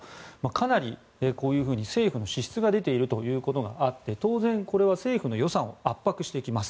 かなりこういうふうに政府の支出が出ているということがあって当然、これは政府の予算を圧迫していきます。